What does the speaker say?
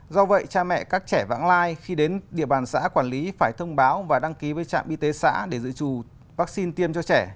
do vậy cha mẹ các trẻ vãng lai khi đến địa bàn xã quản lý phải thông báo và đăng ký với trạm y tế xã để dự trù vaccine tiêm cho trẻ